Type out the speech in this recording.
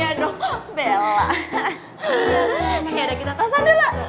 yaudah kita tasan dulu